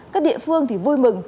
các địa phương thì vui mừng